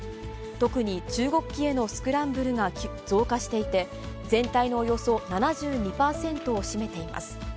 特に中国機へのスクランブルが増加していて、全体のおよそ７２％を占めています。